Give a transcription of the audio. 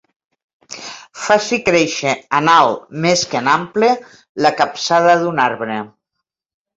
Faci créixer en alt més que en ample la capçada d'un arbre.